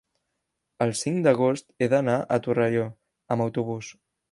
el cinc d'agost he d'anar a Torelló amb autobús.